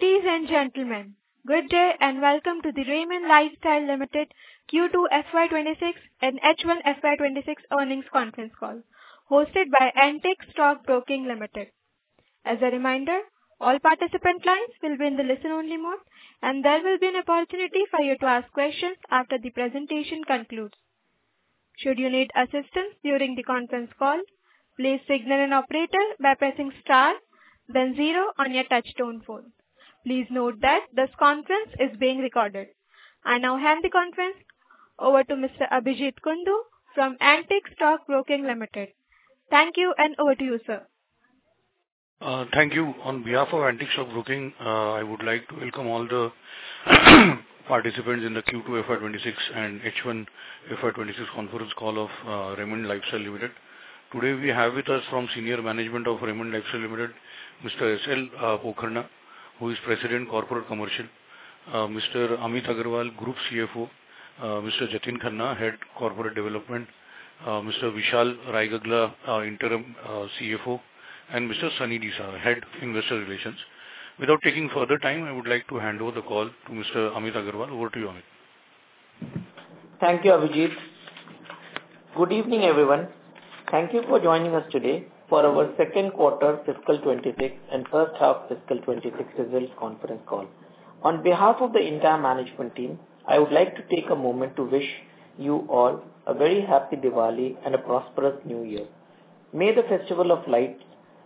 Ladies and gentlemen, good day and welcome to the Raymond Lifestyle Limited Q2 FY 2026 and H1 FY 2026 earnings conference call hosted by Antique Stock Broking Limited. As a reminder, all participant lines will be in the listen only mode and there will be an opportunity for you to ask questions after the presentation concludes. Should you need assistance during the conference call, please signal an operator by pressing Star then zero on your touchstone phone. Please note that this conference is being recorded. I now hand the conference over to Mr. Abhijeet Kundu from Antique Stock Broking Limited. Thank you. Over to you, sir. Thank you. On behalf of Antique Stock Broking, I would like to welcome all the participants in the Q2 FY 2026 and H1 FY 2026 conference call of Raymond Lifestyle Limited. Today we have with us from senior management of Raymond Lifestyle Limited Mr. S.L. Pokarna who is President Corporate Commercial, Mr. Amit Agarwal Group CFO Mr. Jatin Khanna. Head of Corporate Development, Mr. Vishal Raigagla, Interim CFO and Mr. Sunny Desa, Head Investor Relations. Without taking further time, I would like to hand over the call to Mr. Amit Agarwal. Over to you, Amit. Thank you, Abhijeet. Good evening everyone. Thank you for joining us today. Our second quarter fiscal 2026 and first half fiscal 2026 results conference call. On behalf of the entire management team, I would like to take a moment to wish you all a very happy Diwali and a prosperous New Year. May the festival of lights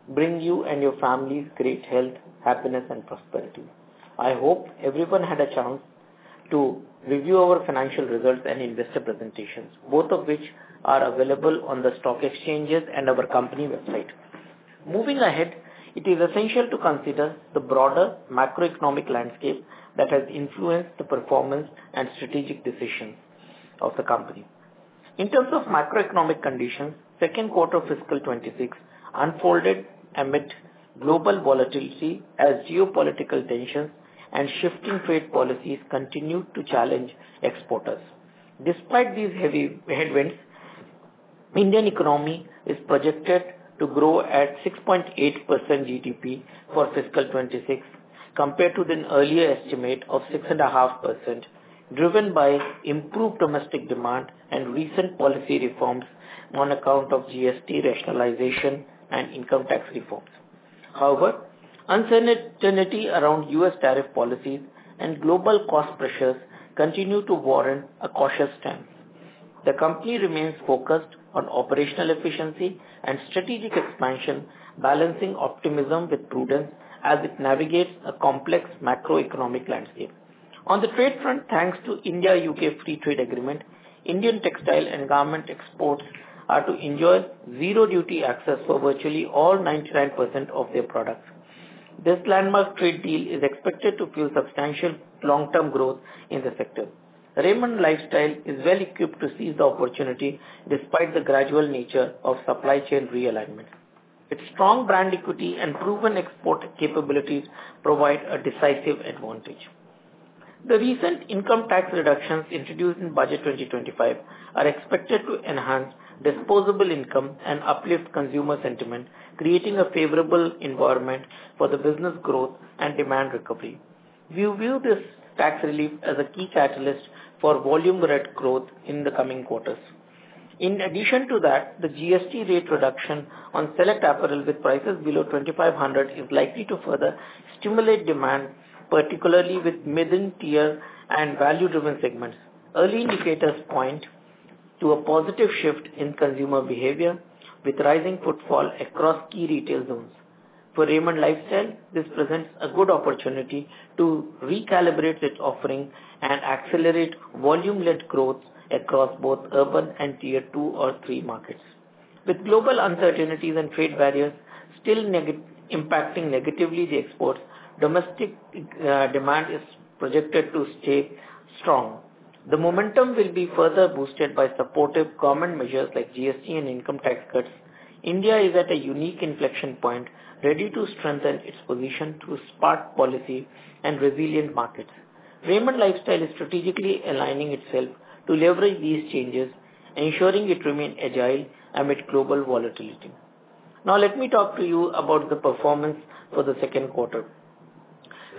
bring you. Wishing your families great health, happiness, and prosperity. I hope everyone had a chance to review our financial results and investor presentations, both of which are available on the stock exchanges and our company website. Moving ahead, it is essential to consider the broader macroeconomic landscape that has influenced the performance and strategic decision of the company. In terms of macroeconomic conditions, second quarter fiscal 2026 unfolded amid global volatility as geopolitical tensions and shifting trade policies continue to challenge exporters. Despite these heavy headwinds, the Indian economy is projected to grow at 6.8% GDP for fiscal 2026 compared to the earlier estimate of 6.5% driven by improved domestic demand and recent policy reforms on account of GST rationalization and income tax reforms. However, uncertainty around U.S. tariff policies and global cost pressures continue to warrant a cautious stance. The company remains focused on operational efficiency and strategic expansion, balancing optimism with prudence as it navigates a complex macroeconomic landscape. On the trade front, thanks to India-U.K. Free Trade Agreement, Indian textile and garment exports are to enjoy zero duty access for virtually all 99% of their products. This landmark trade deal is expected to fuel substantial long-term growth in the sector. Raymond Lifestyle is well equipped to seize the opportunity. Despite the gradual nature of supply chain realignment, its strong brand equity and proven export capabilities provide a decisive advantage. The recent income tax reductions introduced in Budget 2025 are expected to enhance disposable income and uplift consumer sentiment, creating a favorable environment for the business growth and demand recovery. We view this tax relief as a key catalyst for volume red growth in the coming quarters. In addition to that, the GST rate reduction on select apparel with prices below 2,500 is likely to further stimulate demand, particularly with middle tier and value-driven segments. Early indicators point to a positive shift in consumer behavior with rising footfall across key retail zones. For Raymond Lifestyle, this presents a good opportunity to recalibrate its offering and accelerate volume-led growth across both urban and tier 2 or 3 markets. With global uncertainties and trade barriers still impacting negatively the exports, domestic demand is projected to stay strong. The momentum will be further boosted by supportive government measures like GST and income tax cuts. India is at a unique inflection point ready to strengthen its position through spark policy and resilient markets. Raymond Lifestyle is strategically aligning itself to leverage these changes, ensuring it remains agile and amid global volatility. Now let me talk to you about the performance for the second quarter.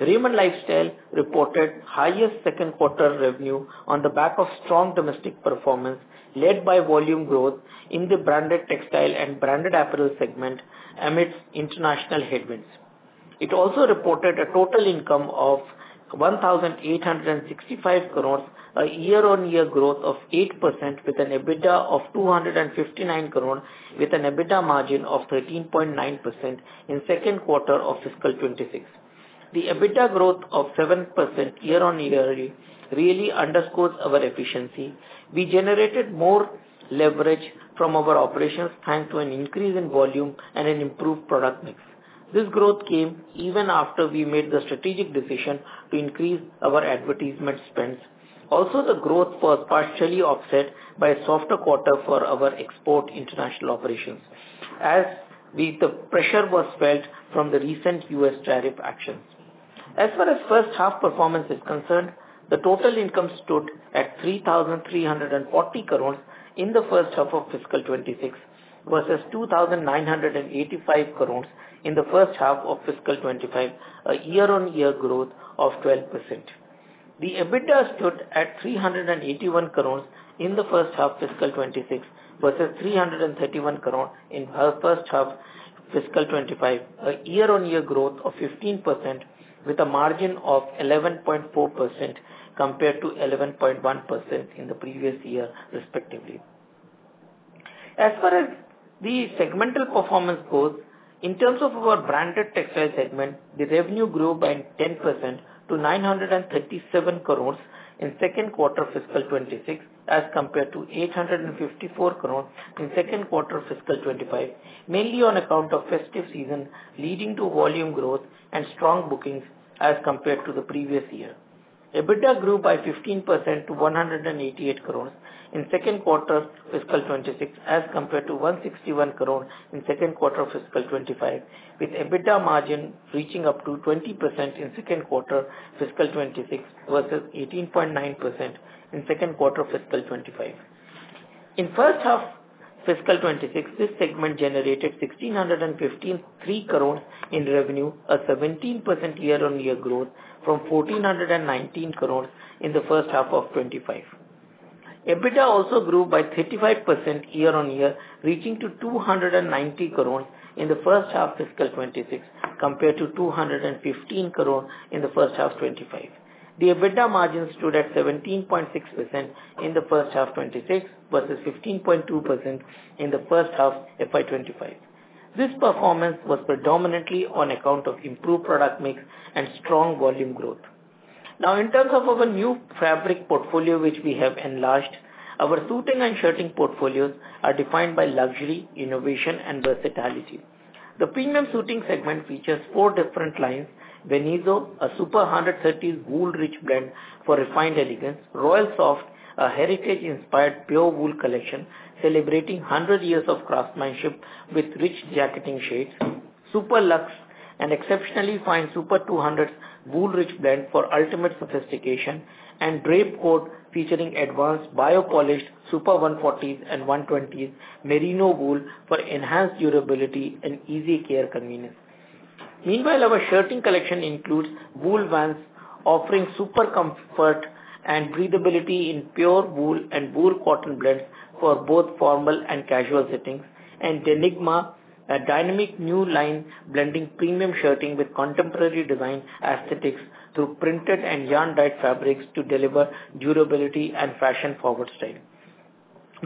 Raymond Lifestyle reported highest second quarter revenue on the back of strong domestic performance led by volume growth in the branded textile and branded apparel segment amidst international headwinds. It also reported a total income of 1,865 crore across the year on year growth of 8% with an EBITDA of 259 crore with an EBITDA margin of 13.9% in second quarter of fiscal 2026. The EBITDA growth of 7% year on yearly really underscores our efficiency we generated more leverage from our operations thanks to an increase in volume and an improved product mix. This growth came even after we made the strategic decision to increase our advertisement spends. Also, the growth was partially offset by a softer quarter for our export international operations as the pressure was felt from the recent U.S. tariff actions. As far as first half performance is concerned, the total income stood at 3,340 crore in the first half of fiscal 2026 versus 2,985 crore in the first half of fiscal 2025. A year-on-year growth of 12%. The EBITDA stood at 381 crore in the first half fiscal 2026 versus 331 crore in first half fiscal 2025, a year-on-year growth of 15% with a margin of 11.4% compared to 11.1% in the previous year respectively. As far as the segmental performance goes. In terms of our branded textile segment, the revenue grew by 10% to 937 crore in second quarter fiscal 2026 as compared to 854 crore in second quarter fiscal 2025 mainly on account of festive season leading to volume growth and strong bookings as compared to the previous year. EBITDA grew by 15% to 188 crore in second quarter fiscal 2026 as compared to 161 crore in second quarter fiscal 2025 with EBITDA margin reaching up to 20% in second quarter fiscal 2026 versus 18.9% in second quarter fiscal 2025. In first half fiscal 2026 this segment generated 1,615.3 crore in revenue, a 17% year on year growth from 1,419 crore in first half fiscal 2025. EBITDA also grew by 35% year on year reaching to 290 crore in the first half fiscal 2026 compared to 215 crore in the first half 2025. The EBITDA margin stood at 17.6% in the first half 2026 versus 15.2% in the first half 2025. This performance was predominantly on account of improved product mix and strong volume growth. Now in terms of our new fabric portfolio which we have enlarged, our suiting and shirting portfolios are defined by luxury, innovation and versatility. The premium suiting segment features four different lines: Venezo, a super 130s wool rich blend for refined elegance; Royal Soft, a heritage inspired pure wool collection celebrating 100 years of craftsmanship with rich jacketing shades; Super Luxe, an exceptionally fine super 200s wool rich blend for ultimate sophistication; and Drape Code featuring advanced bio-polished super 140s and 120s merino wool for enhanced durability and easy care convenience. Meanwhile, our shirting collection includes Woolvance. Offering super comfort and breathability in pure wool and wool cotton blends for both formal and casual fittings and Denigma, a dynamic new line blending premium shirting with contemporary design aesthetics through printed and yarn-dyed fabrics to deliver durability and fashion-forward style.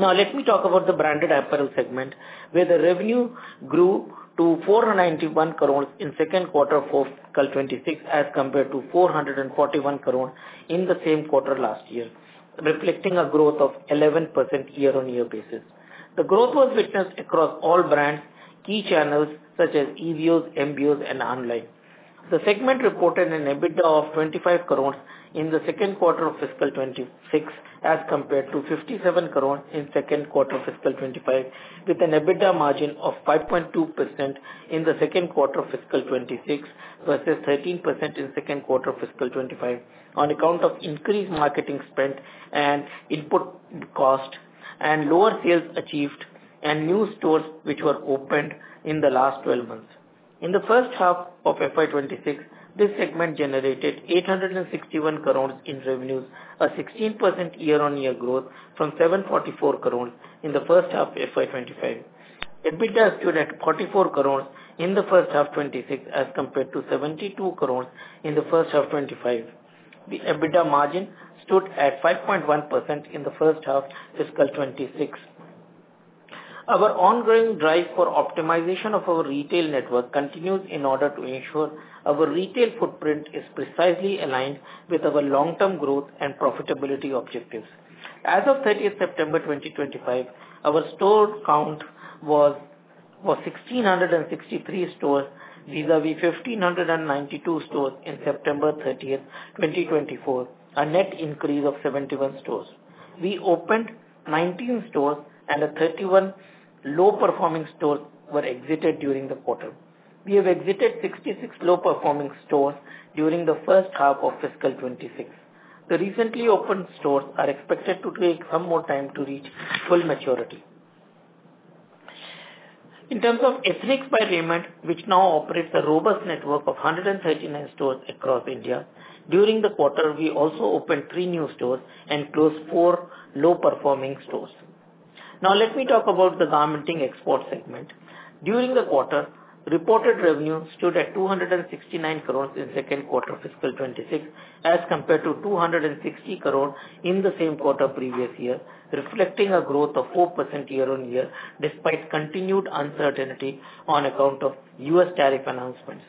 Now let me talk about the branded apparel segment where the revenue grew to 491 crore in second quarter for fiscal 2026 as compared to 441 crore in the same quarter last year reflecting a growth of 11% year on year basis. The growth was witnessed across all brands key channels such as EBOs, MBOs and online. The segment reported an EBITDA of 25 crore in the second quarter of fiscal 2026 as compared to 57 crore in second quarter fiscal 2025 with an EBITDA margin of 5.2% in the second quarter fiscal 2026 versus 13% in second quarter fiscal 2025 on account of increased marketing spend and input cost and lower sales achieved and new stores which were opened in the last 12 months. In the first half of fiscal 2026 this segment generated 861 crore in revenues a 16% year on year growth from 744 crore in the first half fiscal 2025. EBITDA stood at 44 crore in the first half 2026 as compared to 72 crore in the first half 2025. The EBITDA margin stood at 5.1% in the first half fiscal 2026. Our ongoing drive for optimization of our retail network continues in order to ensure our retail footprint is precisely aligned with our long-term growth and profitability objectives. As of September 30, 2025, our store count was 1,663 stores vis-à-vis 1,592 stores in September 30th, 2024, a net increase of 71 stores. We opened 19 stores and 31 low performing stores were exited during the quarter. We have exited 66 low performing stores during the first half of fiscal 2026. The recently opened stores are expected to take some more time to reach full maturity. In terms of Ethnix by Raymond, which now operates a robust network of 139 stores across India. During the quarter, we also opened three new stores and closed four low performing stores. Now let me talk about the Garmenting Export segment. During the quarter, reported revenue stood at 269 crore in second quarter fiscal 2026 as compared to 260 crore in the same quarter previous year, reflecting a growth of 4% year on year. Despite continued uncertainty on account of U.S. tariff announcements.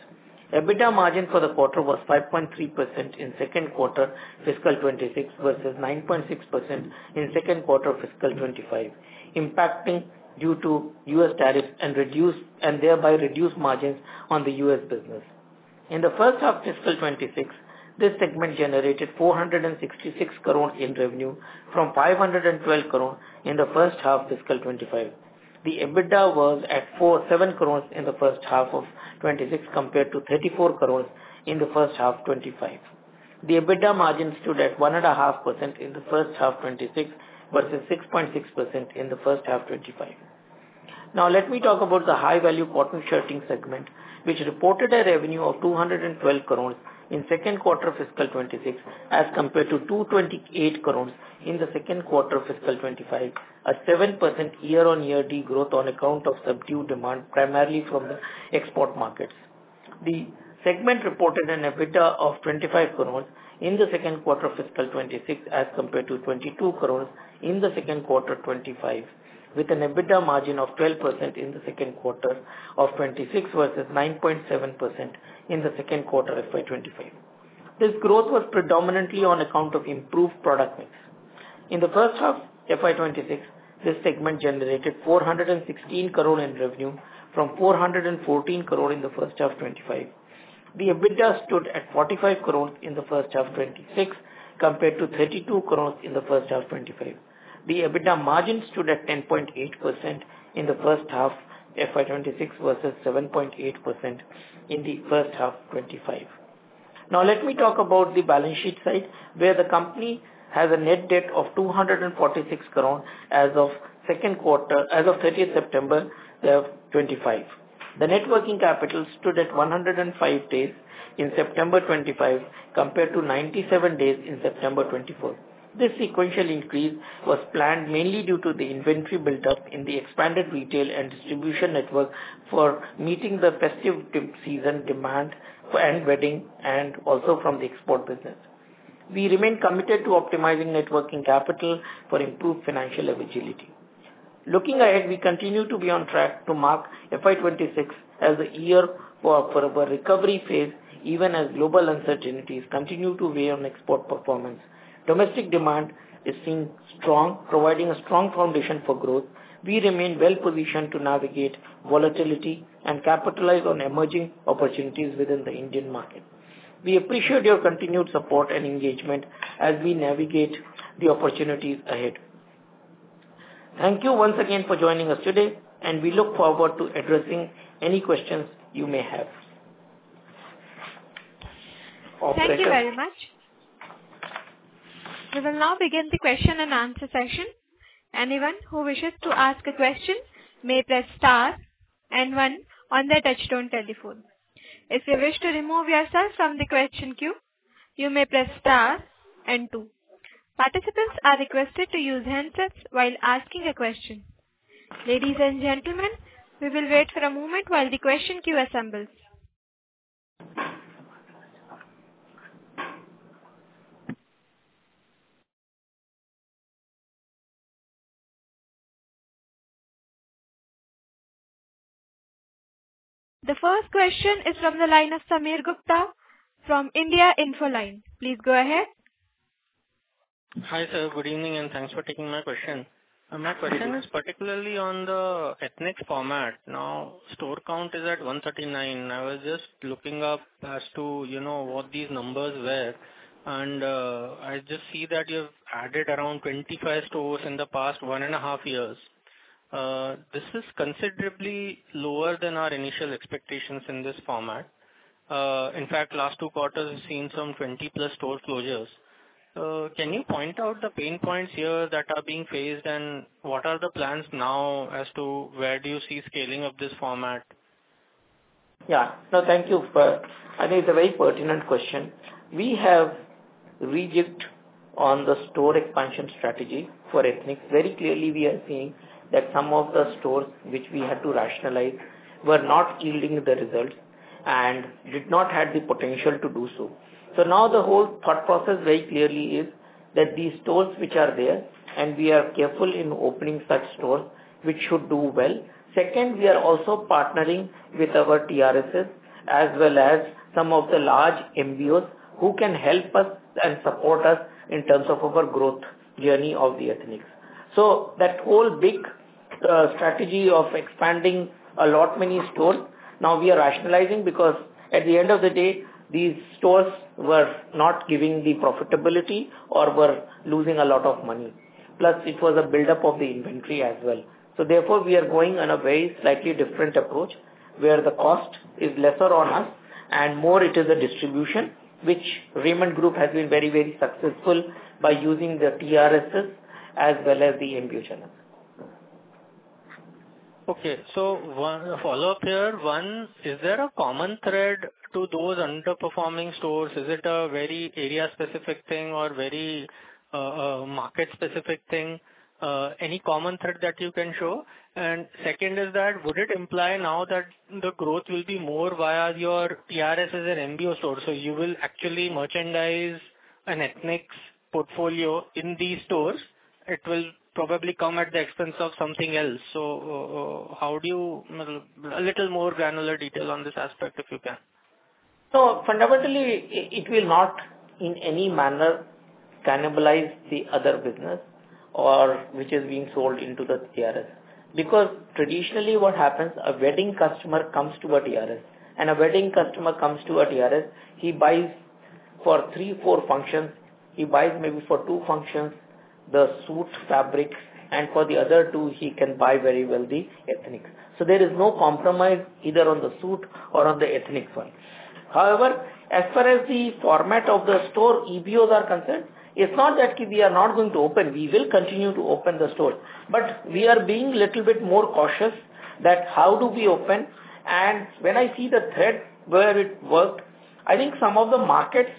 EBITDA margin for the quarter was 5.3% in second quarter fiscal 2026 versus 9.6% in second quarter fiscal 2025, impacting due to U.S. tariffs and thereby reduced margins on the U.S. business. In the first half fiscal 2026, this segment generated 466 crore in revenue from 512 crore in the first half fiscal 2025. The EBITDA was at 4.7 crore in the first half 2026 compared to 34 crore in the first half 2025. The EBITDA margin stood at 1.5% in the first half 2026 versus 6.6% in the first half 2025. Now let me talk about the high-value cotton shirting segment which reported a revenue of 212 crore in the second quarter fiscal 2026 as compared to 228 crore in the second quarter fiscal 2025, a 7% year-on-year de-growth on account of subdued demand primarily from the export markets. The segment reported an EBITDA of 25 crore in the second quarter fiscal 2026 as compared to 22 crore in the second quarter 2025, with an EBITDA margin of 12% in second quarter 2026 versus 9.7% in the second quarter FY 2025. This growth was predominantly on account of improved product mix. In the first half FY 2026, this segment generated 416 crore in revenue from 414 crore in the first half 2025. The EBITDA stood at 45 crore in the first half 2026 compared to 32 crore in the first half 2025. The EBITDA margin stood at 10.8% in the first half FY 2026 versus 7.8% in the first half 2025. Now let me talk about the balance sheet side where the company has a net debt of 246 crore as of second quarter. As of September 30, 2025, the net working capital stood at 105 days in September 2025 compared to 97 days in September 2024. This sequential increase was planned mainly due to the inventory buildup in the expanded retail and distribution network for meeting the festive season demand and wedding and also from the export business. We remain committed to optimizing net working capital for improved financial eligibility. Looking ahead, we continue to be on track to mark FY 2026 as the year for recovery phase. Even as global uncertainties continue to weigh on export performance, domestic demand is seen strong, providing a strong foundation for growth. We remain well positioned to navigate volatility and capitalize on emerging opportunities within the Indian market. We appreciate your continued support and engagement as we navigate the opportunities ahead. Thank you once again for joining us today and we look forward to addressing any questions you may have. Thank you very much. We will now begin the question and answer session. Anyone who wishes to ask a question may press star and one on the touchtone telephone. If you wish to remove yourself from the question queue, you may press star. Participants are requested to use handsets while asking a question. Ladies and gentlemen, we will wait for a moment while the question queue assembles. The first question is from the line of Sameer Gupta from India Infoline. Please go ahead. Hi sir, good evening and thanks for taking my question. My question is particularly on the ethnic format. Now store count is at 139. I was just looking up as to, you know, what these numbers were and I just see that you've added around 25 stores in the past one and a half years. This is considerably lower than our initial expectations in this format. In fact, last two quarters we've seen some 20+ store closures. Can you point out the pain points here that are being faced and what are the plans now as to where do you see scaling of this format? Yeah, no, thank you. I think it's a very pertinent question. We have rechecked on the store expansion strategy for ethnic. Very clearly we are seeing that some of the stores which we had to rationalize were not yielding the results and did not have the potential to do so. Now the whole thought process very clearly is that these stores which are there and we are careful in opening such stores which should do well. Second, we are also partnering with our TRSs as well as some of the large MBOs who can help us support us in terms of our growth journey of the ethnix. That whole big strategy of expanding a lot many stores, now we are rationalizing because at the end of the day these stores were not giving the profitability or were losing a lot of money. Plus it was a buildup of the inventory as well. Therefore we are going on a very slightly different approach where the cost is lesser on us and more. It is a distribution which Raymond Group has been very, very successful by using the TRSs as well as the MBOs. Okay, so follow up here. One, is there a common thread to those underperforming stores? Is it a very area specific thing or very market specific thing? Any common thread that you can show? Second is that would it imply now that the growth will be more via your TRSs as an MBO store? You will actually merchandise an Ethnix portfolio in these stores. It will probably come at the expense of something else. How do you, a little more granular detail on this aspect if you can. Fundamentally it will not in any manner cannibalize the other business or which is being sold into the. Because traditionally what happens, a wedding customer comes to a TRS and a wedding customer comes to a TRS. He buys for three, four functions. He buys maybe for two functions, the suit fabric and for the other two. He can buy very well the ethnic. There is no compromise either on the suit or on the ethnix front? However, as far as the format of the store EBOs are concerned, it's not that we are not going to open, we will continue to open the store, but we are being a little bit more cautious about how we open. When I see the thread where it worked, I think some of the markets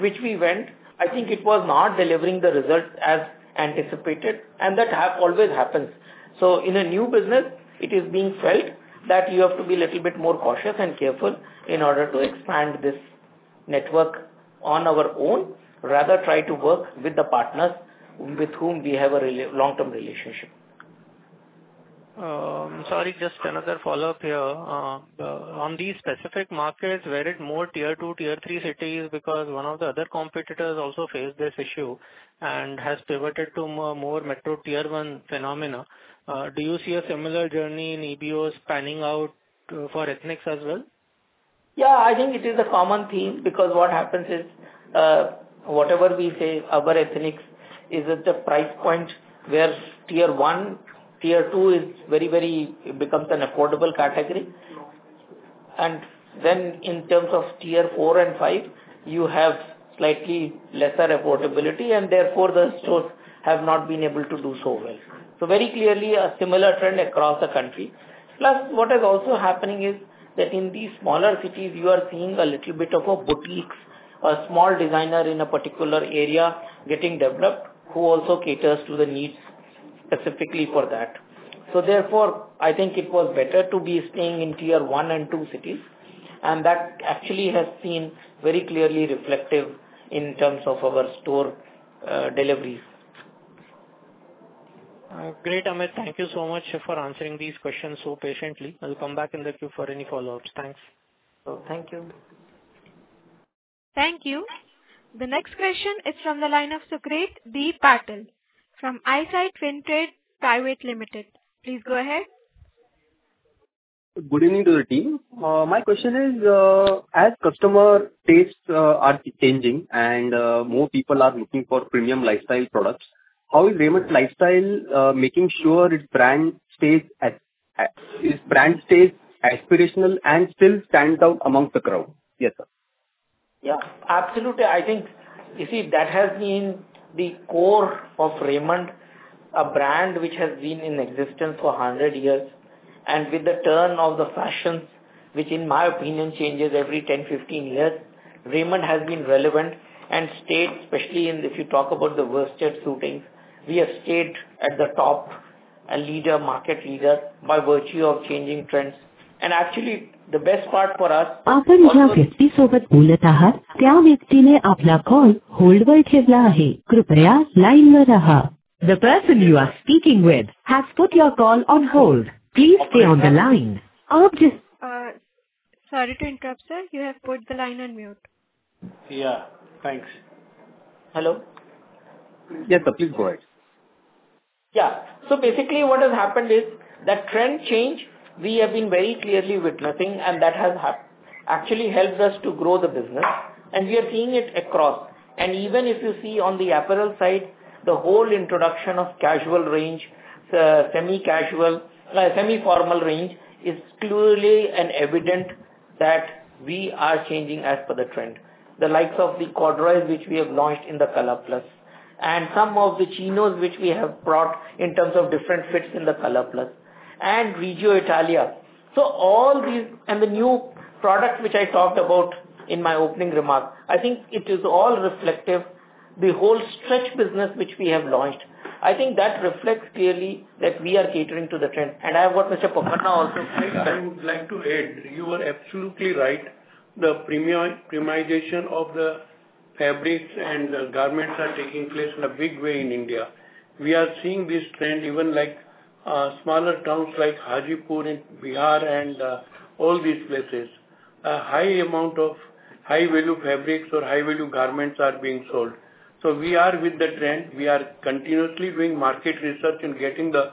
which we went, I think it was not delivering the result as anticipated and that always happens. In a new business it is being felt that you have to be little bit more cautious and careful in order to expand this network on our own. Rather try to work with the partners. With whom we have a long-term relationship. Sorry, just another follow-up here on these specific markets where it moved Tier 2, Tier 3 cities because one of the other competitors also faced this issue and has pivoted to more metro Tier 1 phenomena. Do you see a similar journey in EBOs spanning out for ethnix as well? Yeah, I think it is a common theme because what happens is whatever we say our ethnix is at the price point where Tier 1, Tier 2 is very, very becomes an affordable category. In terms of Tier 4 and five, you have slightly lesser affordability and therefore the stores have not been able to do so well. Very clearly a similar trend across the country. Plus what is also happening is that in these smaller cities you are seeing a little bit of a boutiques, a small designer in a particular area getting developed who also caters to the needs specifically for that. Therefore, I think it was better to be staying in tier one and two cities. And that actually has been very clearly reflective in terms of our store deliveries. Great. Amit, thank you so much for answering these questions so patiently. I'll come back in the queue for any follow ups. Thanks. Thank you. Thank you. The next question is from the line of Sucrit D. Patil from Eyesight Fintrade Private Limited. Please go ahead. Good evening to the team. My question is, as customer tastes are changing and more people are looking for premium lifestyle products, how is Raymond Lifestyle making sure its brand stays aspirational and still stands out amongst the crowd? Yes, sir. Yeah, absolutely. I think you see that has been the core of Raymond, a brand which has been in existence for 100 years and with the turn of the fashions, which in my opinion changes every 10, 15 years, Raymond has been relevant and stayed, especially in, if you talk about the worsted suitings, we have stayed at the top, a leader, market leader. By virtue of changing trends. The best part for us. The person you are speaking with has put your call on hold. Please stay on the line. Sorry to interrupt, sir. You have put the line on mute. Yeah, thanks. Hello. Yes, sir, please go ahead. Yeah, so basically what has happened is that trend change we have been very clearly witnessing, and that has actually helped us to grow the business, and we are seeing it across. Even if you see on the apparel side, the whole introduction of casual range, semi casual, semi formal range, is clearly an evident that we are changing as per the trend. The likes of the corduroy which we have launched in the ColorPlus and some of the Chinos which we have brought in terms of different fits in the ColorPlus and Regio Italia. All these and the new product which I talked about in my opening remarks, I think it is all reflective. The whole stretch business which we have launched, I think that reflects clearly that we are catering to the trend. I have what Mr. Pokharna also. Said, I would like to add. You are absolutely right. The premisation of the fabrics and garments are taking place in a big way in India. We are seeing this trend. Even like smaller towns like Hajipur in Bihar and all these places, a high amount of high-value fabrics or high-value garments are being sold. We are with the trend. We are continuously doing market research and getting the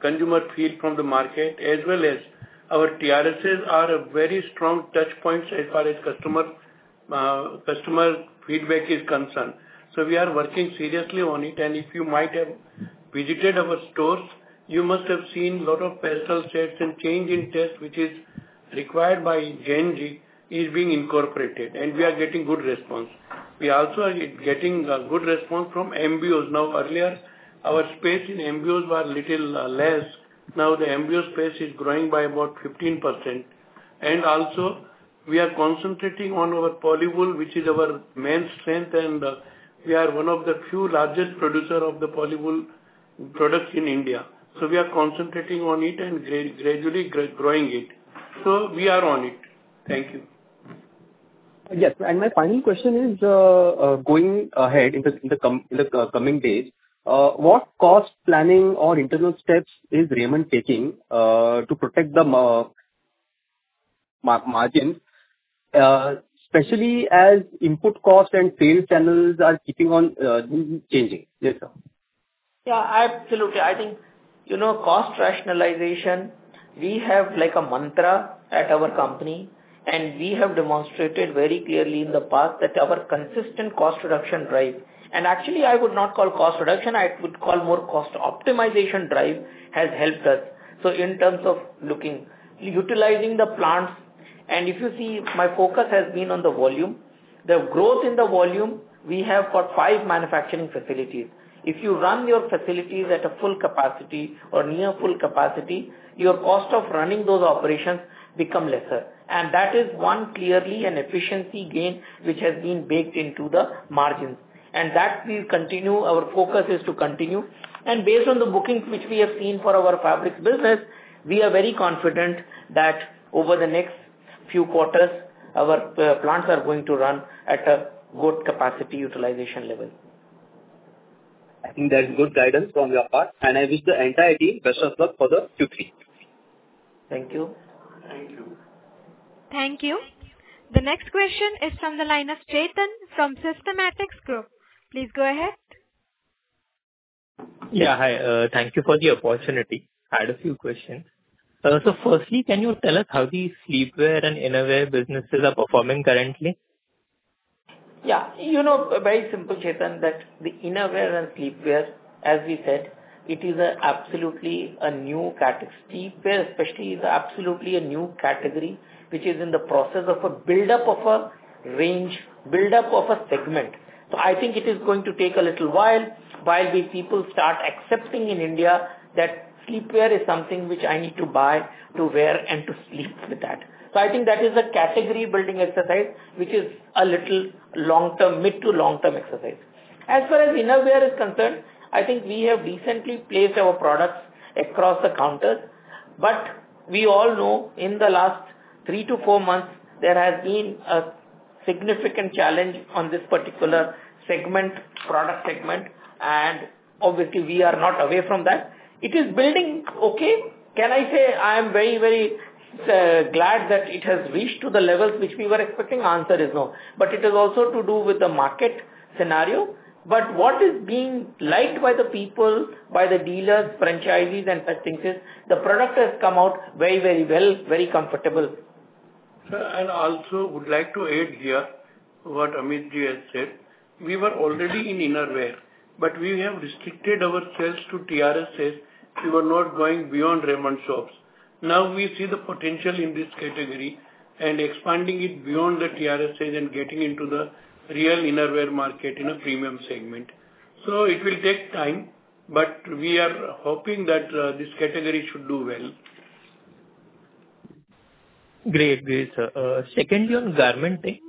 consumer feel from the market as well as our TRSs are very strong touch points as far as customer feedback is concerned. We are working seriously on it. If you might have visited our stores, you must have seen a lot of personal sets and change in test which is required by Gen Z is being incorporated. We are getting good response. We also are getting good response from EBOs now. Earlier our space in EBOs was little less. Now the EBO space is growing by about 15%. Also, we are concentrating on our polywool, which is our main strength. We are one of the few largest producers of polywool products in India. We are concentrating on it and gradually growing it. We are on it. Thank you. Yes. My final question is going ahead in the coming days, what cost planning or internal steps is Raymond taking to protect the margin, especially as input cost and fail channels are keeping on changing? Yes, sir. Yeah, absolutely. I think, you know, cost rationalization, we have like a mantra at our company. We have demonstrated very clearly in the past that our consistent cost reduction drive and actually I would not call cost reduction, I would call more cost optimization drive has helped us. In terms of looking, utilizing the plants. If you see my focus has been on the volume, the growth in the volume, we have got five manufacturing facilities. If you run your facilities at a full capacity or near full capacity, your cost of running those operations becomes lesser. That is one clearly an efficiency gain which has been baked into the margins and that we continue. Our focus is to continue. Based on the bookings which we have seen for our fabrics business, we are very confident that over the next few quarters, our plants are going to run at a good capacity utilization level. I think that's good guidance from your part, and I wish the entire team best of luck for the Q3. Thank you. Thank you. Thank you. The next question is from the line of Chetan from Systematix Group. Please go ahead. Yeah. Hi. Thank you for the opportunity. I had a few questions. Firstly, can you tell us how the sleepwear and innerwear businesses are performing currently? Yes, you know, very simple, Chetan, that the inner wear and sleepwear, as we said, it is absolutely a new category. Sleepwear especially is absolutely a new category which is in the process of a buildup of a range, buildup of a segment. I think it is going to take a little while while people start accepting in India that sleepwear is something which I need to buy, to wear and to. I think that is a category building exercise which is a little long term, mid to long term exercise as far as innerwear is concerned. I think we have recently placed our products across the counter. We all know in the last three to four months there has been a significant challenge on this particular segment, product segment, and obviously we are not away from that. It is building. Okay. Can I say I am very, very glad that it has reached to the levels which we were expecting? Answer is no. It is also to do with the market scenario. What is being liked by the people, by the dealers, franchisees and such things is the product has come out very, very well, very comfortable. I would also like to add here what Amitji has said. We were already in innerwear, but we have restricted ourselves to TRSs. We were not going beyond Raymond shops. Now we see the potential in this category and expanding it beyond the TRSs and getting into the real innerwear market in a premium segment. It will take time, but we are hoping that this category should do well. Great, sir. Secondly, on garmenting,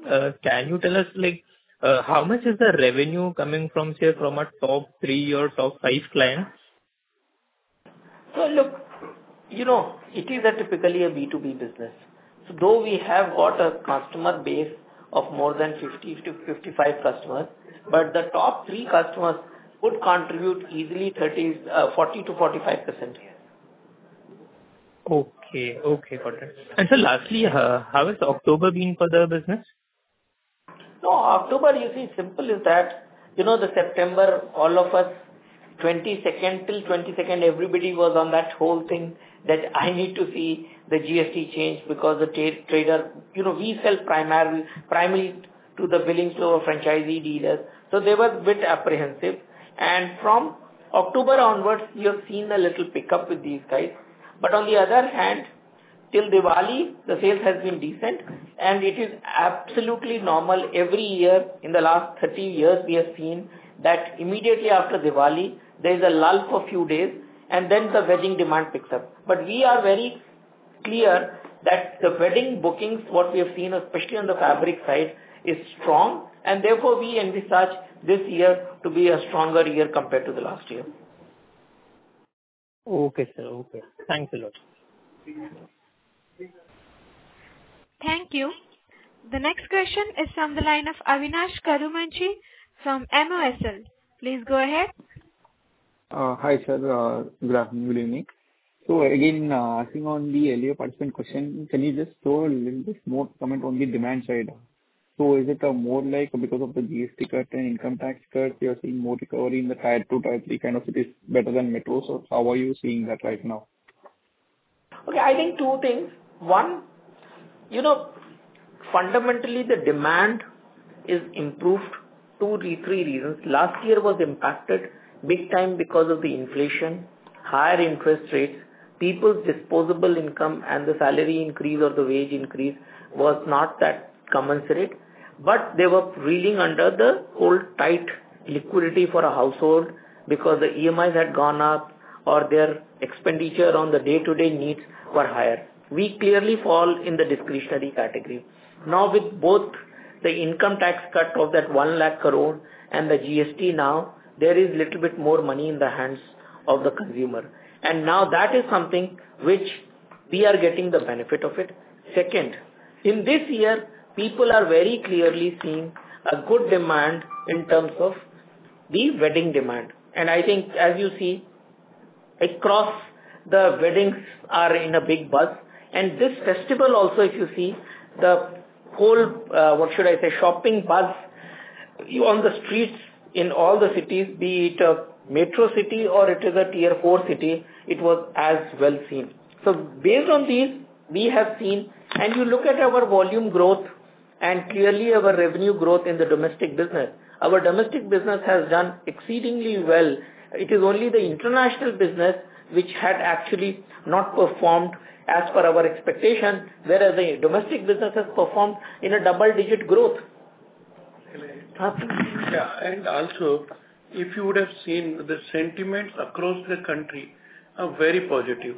can you tell us like how much is the revenue coming from, say from a top three or top five clients? Look, you know, it is a typically a B2B business, so though we have got a customer base of more than 50 to 55 customers but the top three customers would contribute easily 30%, 40% to 45%. Okay, okay, got it. Lastly, how has October been for the business? No, October, you see, simple is that, you know, the September, all of us, 22nd till 22nd, everybody was on that whole thing that I need to see the GST change because the trader, you know, we sell primary, primary to the billings to our franchisee dealers. They were bit apprehensive. From October onwards you have seen a little pickup with these guys. On the other hand till Diwali the sales has been decent and it is absolutely normal every year. In the last 30 years we have seen that immediately after Diwali there is a lull for few days and then the wedding demand picks up. We are very clear that the wedding bookings, what we have seen especially on the fabric side, is strong. Therefore, we envisage this year to be a stronger year compared to the last year. Okay sir, okay. Thanks a lot. Thank you. The next question is from the line of Avinash Karumanchi from MOSL. Please go ahead. Hi sir, good afternoon. Good evening. Again, asking on the earlier participant question, can you just throw a little bit more comment on the demand side? Is it more like because of the GST cut and income tax cuts you are seeing more recovery in the tier 2, tier 3 kind of cities better than metro? How are you seeing that right now? Okay, I think two things. One, you know, fundamentally the demand is improved. Two, three reasons last year was impacted big time because of the inflation, higher interest rates, people's disposable income and the salary increase or the wage increase was not that commensurate. They were reeling under the old tight liquidity for a household because the EMIs had gone up or their expenditure on the day to day needs were higher. We clearly fall in the discretionary category. Now with both the income tax cut of that 1 lakh crore and the GST, now there is a little bit more money in the hands of the consumer. Now that is something which we are getting the benefit of. Second in this year people are very clearly seeing a good demand in terms of the wedding demand. I think as you see across, the weddings are in a big buzz and this festival also, if you see the whole, what should I say, shopping buzz on the streets in all the cities, be it a metro city or it is a tier four city, it was as well seen. Based on these, we have seen, and you look at our volume growth and clearly our revenue growth in the domestic business. Our domestic business has done exceedingly well. It is only the international business which had actually not performed as per our expectation whereas the domestic businesses performed in a double digit growth. If you would have seen, the sentiments across the country are very positive.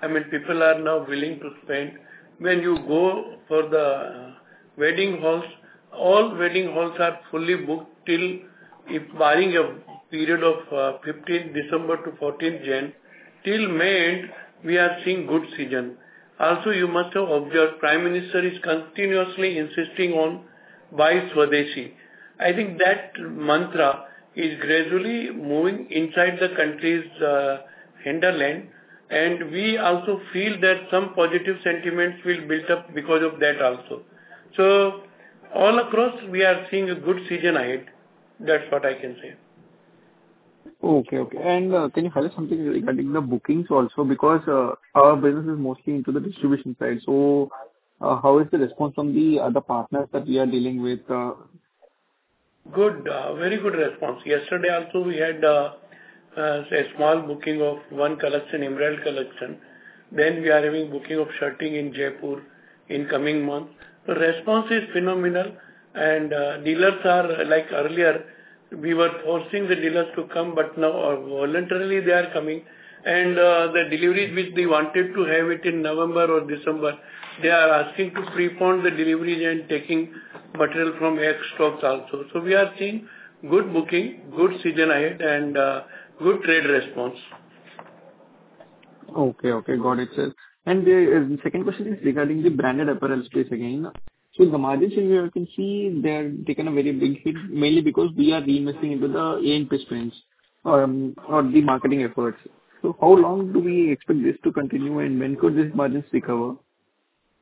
I mean, people are now willing to spend. When you go for the wedding halls, all wedding halls are fully booked for the period of 15th December to 14th January till May. We are seeing a good season also. You must have observed the Prime Minister is continuously insisting on buy Swadeshi. I think that mantra is gradually moving inside the country's hinterland, and we also feel that some positive sentiments will build up because of that also. All across, we are seeing a good season ahead. That's what I can say. Okay, okay. Can you hear something regarding the bookings also because our business is mostly into the distribution side? How is the response from the other partners that we are dealing with? Good, very good response. Yesterday also we had a small booking of one collection, emerald collection. We are having booking of shirting in Jaipur in coming months. The response is phenomenal and dealers are like earlier we were forcing the dealers to come but now voluntarily they are coming and the deliveries which they wanted to have it in November or December they are asking to prepond the deliveries and taking material from ex-stocks also. We are seeing good booking, good season ahead and good trade response. Okay, okay, got it sir. The second question is regarding the branded apparel space again. The margins in Europe, you can see they're taking a very big hit mainly because we are reinvesting into the A&P sprints or the marketing efforts. How long do we expect this to continue and when could these margins recover?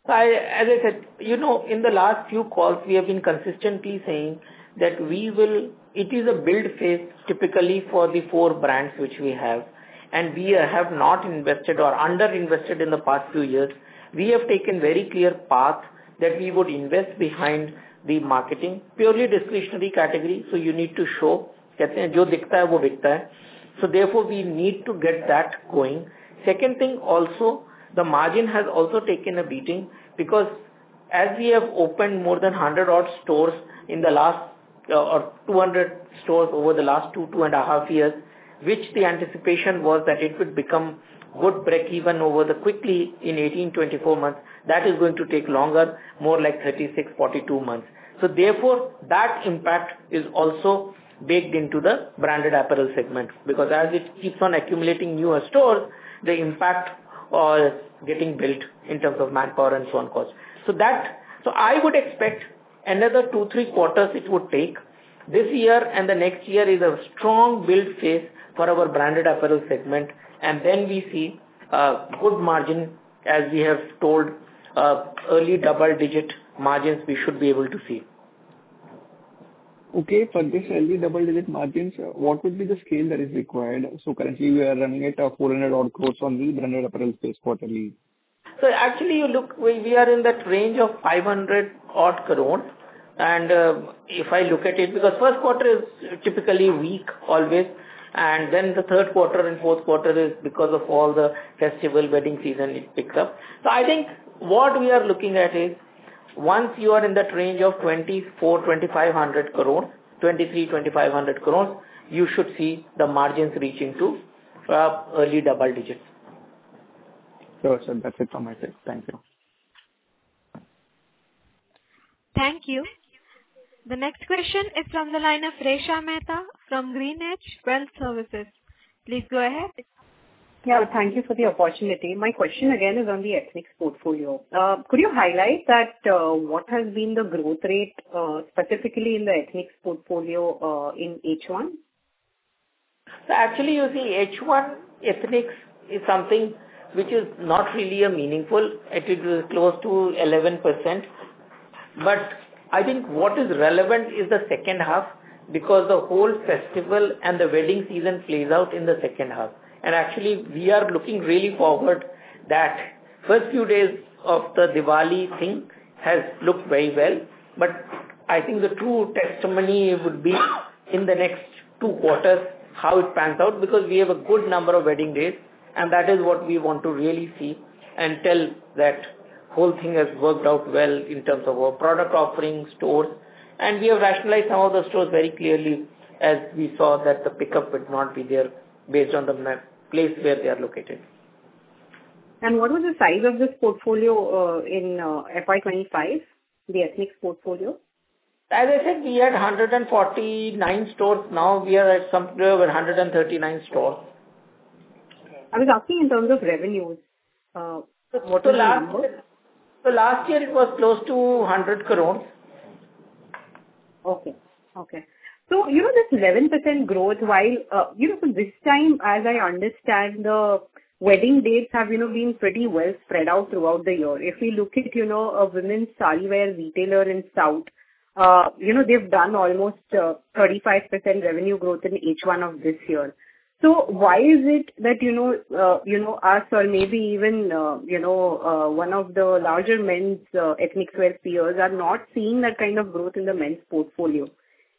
I, as I said, you know, in the last few calls we have been consistently saying that we will. It is a build phase typically for the four brands which we have and we have not invested or underinvested in the past few years. We have taken very clear path that we would invest behind the marketing purely discretionary category. So you need to show so therefore we need to get that going. Second thing also the margin has also taken a beating because as we have opened more than 100 odd stores in the last or 200 stores over the last two and a half years. Which the anticipation was that it would become good break even over the quickly in 18-24 months that is going to take longer, more like 36-42 months. Therefore, that impact is also baked into the branded apparel segment because as it keeps on accumulating newer stores, the impact is getting built in terms of manpower and so on cost. I would expect another two, three quarters it would take this year and the next year is a strong build phase for our branded apparel segment. Then we see good margin as we have told, early double-digit margins we should be able to see. Okay. For this early double digit margins, what would be the scale that is required? So currently we are running at 400 crore odd on the branded apparel phase quarterly. Actually, you look, we are in that range of 500 crore. If I look at it, because first quarter is typically weak always, and then the third quarter and fourth quarter is because of all the festival wedding season, it picks up. I think what we are looking at is once you are in that range of 2,400 crore-2,500 crore, 2,300 crore-2,500 crore, you should see the margins reaching to early double digits. That's it from my side. Thank you. Thank you. The next question is from the line of Resha Mehta from GreenEdge Wealth Services. Please go ahead. Yeah, thank you for the opportunity. My question again is on the Ethnix portfolio. Could you highlight that what has been the growth rate specifically in the Ethnix portfolio in H1? Actually, you see H1, ethnix is something which is not really meaningful. It is close to 11%. I think what is relevant is the second half because the whole festival. The wedding season plays out in the second half. We are looking really forward. The first few days of the Diwali thing has looked very well. I think the true testimony would be in the next two quarters how it pans out. We have a good number of wedding days and that is what we want to really see and tell. That whole thing has worked out well in terms of our product offerings stores. We have rationalized some of the stores very clearly as we saw that the pickup would not be there based on the place where they are located. What was the size of this portfolio in FY 2025, the Ethnix portfolio? As I said, we had 149 stores. Now we are at somewhere over 139 stores. I was asking in terms of revenues. Last year it was close to 100 crore. Okay, okay. So you know, this 11% growth while, you know, this time, as I understand the wedding dates have, you know, been pretty well spread out throughout the year. If we look at, you know, a women's saree wear retailer in south, you know, they've done almost 35% revenue growth in each one of this year. So why is it that, you know, us, or maybe even, you know, one of the larger men's ethnix wear peers are not seeing that kind of growth in the men's portfolio?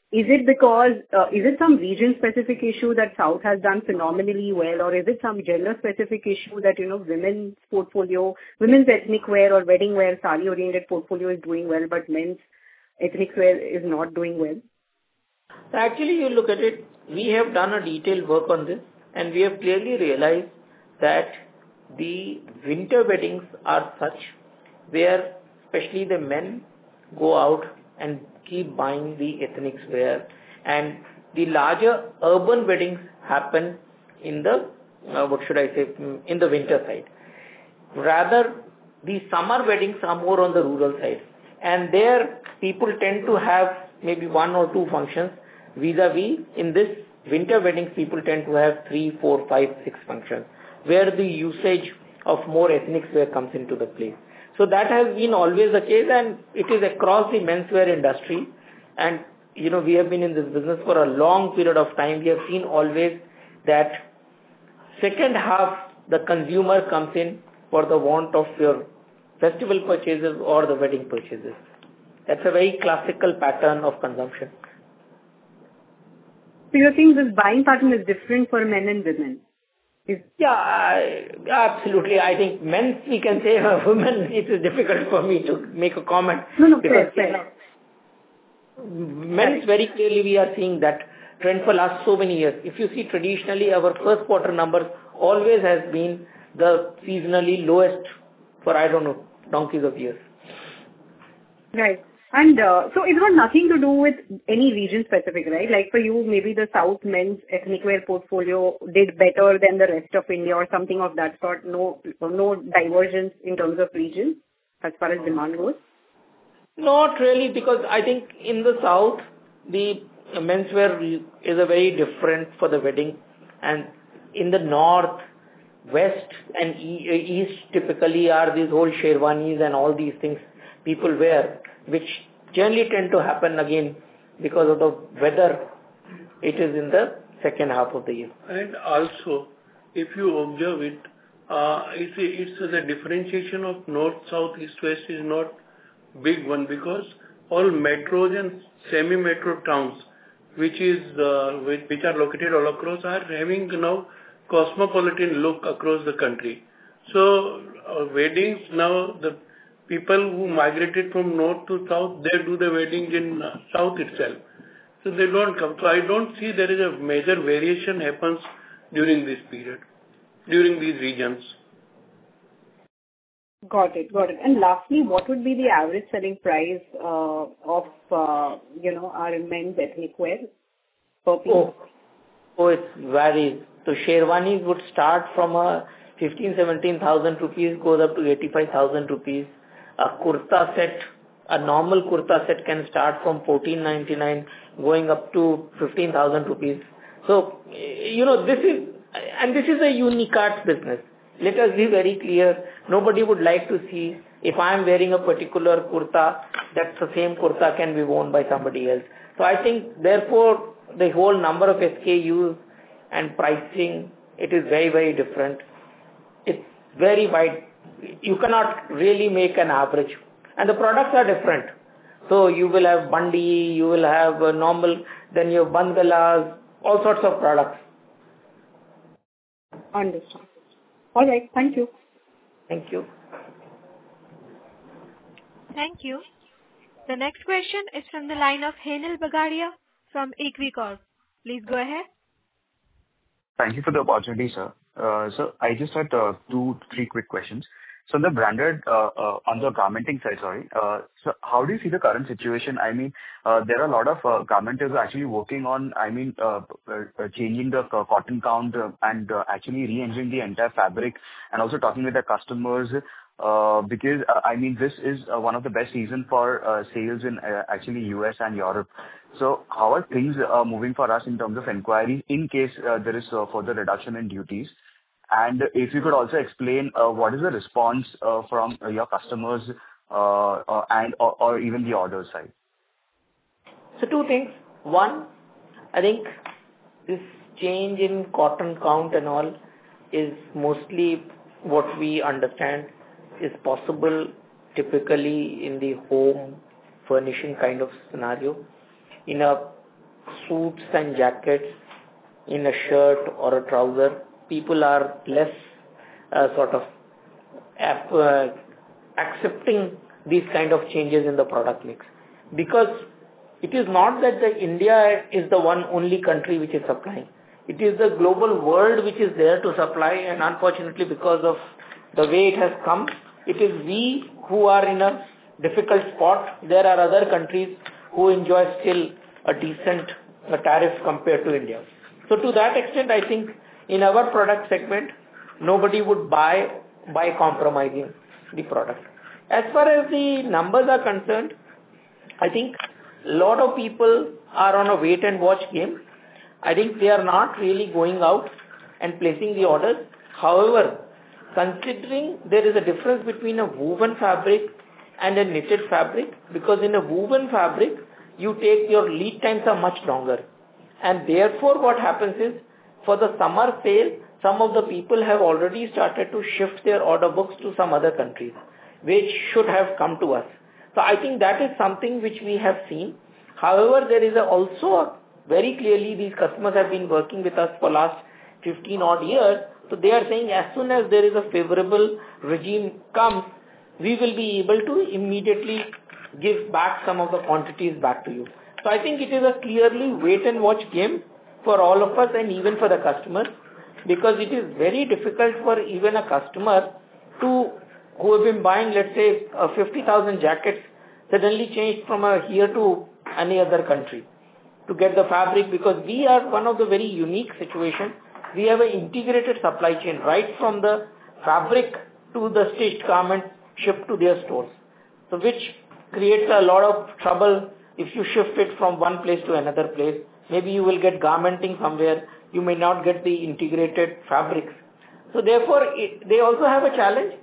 Is it because, is it some region specific issue that south has done phenomenally well or is it some gender specific issue that, you know, women's portfolio, women's ethnic wear or wedding wear, saree-oriented portfolio is doing well, but men's ethnic wear is not doing well. Actually, you look at it, we have done a detailed work on this and we have clearly realized that the winter weddings are such where especially the men. Go out and keep buying the ethnix wear. The larger urban weddings happen in the, what should I say, in the winter side. Rather, the summer weddings are more on the rural side. There people tend to have maybe one or two functions vis-a-vis. In these winter weddings people tend to have 3, 4, 5, 6 functions where the usage of more Ethnix wear comes into the place. That has been always the case and it is across the menswear industry. You know, we have been in this business for a long period of time. We have seen always that second half the consumer comes in for the want of your festival purchases or the wedding purchases. That's a very classical pattern of consumption. Do you think this buying pattern is different for men and women? Yeah, absolutely. I think men, we can say women. It is difficult for me to make a comment. No, no. Men's very clearly. We are seeing that trend for last so many years. If you see traditionally our first quarter numbers always has been the seasonally lowest for, I don't know, donkeys of years. Right. It has got nothing to do with any region specific. Right. Like for you maybe the south men's ethnic wear portfolio did better than the rest of India or something of that sort. No, no divergence in terms of region. As far as demand was. Not really because I think in the south the menswear is very different for the wedding. In the north, west, and east typically are these old sherwanis and all these things people wear, which generally tend to happen again because of the weather. It is in the second half of the year. If you observe it, the differentiation of north, south, east, west is not a big one because all metros and semi-metro towns, which are located all across, are having now a cosmopolitan look across the country. Weddings now, the people who migrated from north to south, they do the weddings in south itself, so they do not come. I do not see there is a major variation that happens during this period during these regions. Got it, got it. Lastly, what would be the average selling price of, you know, our men's ethnic wear? Oh, it varies. So sherwanis would start from 15,000-17,000 rupees, goes up to 85,000 rupees. A kurta set, a normal kurta set can start from 1,499 going up to 15,000 rupees. You know this is, and this is a unique art business. Let us be very clear. Nobody would like to see if I am wearing a particular kurta that the same kurta can be worn by somebody else. I think therefore the whole number of SKUs and pricing, it is very, very different. It's very wide. You cannot really make an average and the products are different. You will have bandi, you will have normal, then your bandhgalas, all sorts of products. Understood. All right, thank you. Thank you. Thank you. The next question is from the line of Henil Bagadia from Equicorp. Please go ahead. Thank you for the opportunity, sir. I just had two, three quick questions. The branded on the commenting side. Sorry. How do you see the current situation? I mean there are a lot of commenters actually working on, I mean, changing the cotton count and actually reentering the entire fabric and also talking with the customers because I mean this is one of the best seasons for sales in actually the U.S. and Europe. How are things moving for us in terms of inquiry in case there is further reduction in duties, and if you could also explain what is the response from your customers and or even the order side? Two things. One, I think this change in cotton count and all is mostly what we understand is possible typically in the home furnishing kind of scenario in a suits and jackets, in a shirt or a trouser, people are less sort of effort. Accepting these kind of changes in the product mix because it is not that India is the only country which is supplying. It is the global world which is there to supply. Unfortunately, because of the way it has come, it is we who are in a difficult spot. There are other countries who enjoy still a decent tariff compared to India. To that extent, I think in our product segment nobody would buy by compromising the product. As far as the numbers are concerned, I think a lot of people are on a wait and watch game. I think they are not really going out and placing the orders. However, considering there is a difference between a woven fabric and a knitted fabric. Because in a woven fabric you take your lead times are much longer and therefore what happens is for the summer sale, some of the people have already started to shift their order books to some other countries which should have come to us. I think that is something which we have seen. However, there is also very clearly these customers have been working with us for last 15 odd years. They are saying as soon as there is a favorable regime come, we will be able to immediately give back some of the quantities back to you. I think it is a clearly wait and watch game for all of us and even for the customers. Because it is very difficult for even a customer who has been buying, let's say 50,000 jackets, to suddenly change from here to any other country to get the fabric. We are in a very unique situation. We have an integrated supply chain right from the fabric to the stitched garments shipped to their stores, which creates a lot of trouble. If you shift it from one place to another place, maybe you will get garmenting somewhere, but you may not get the integrated fabrics. Therefore, they also have a challenge.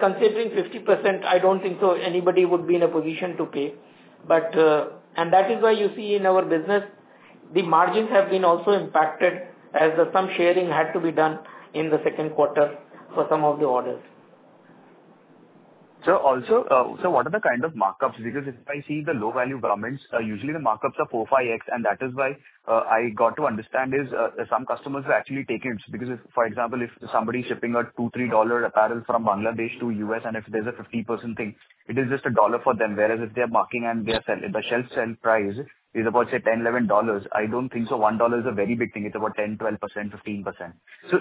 Considering 50%, I do not think so anybody would be in a position to pay. That is why you see in our business the margins have been also impacted as some sharing had to be done in the second quarter for some of the orders. Also, what are the kind of markups? Because if I see the low value garments, usually the markups are 4x or 5x. That is why I got to understand is some customers actually take it. Because if, for example, if somebody is shipping a $2-$3 apparel from Bangladesh to the U.S. and if there is a 50% thing, it is just a dollar for them. Whereas if they are marking and they are selling, the shelf sell price is about, say, $10, $11. I do not think one dollar is a very big thing. It is about 10%-12%, 15%.